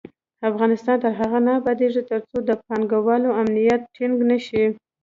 افغانستان تر هغو نه ابادیږي، ترڅو د پانګه والو امنیت ټینګ نشي.